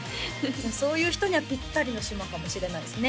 そういう人にはピッタリの島かもしれないですね